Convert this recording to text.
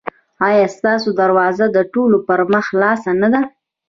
ایا ستاسو دروازه د ټولو پر مخ خلاصه نه ده؟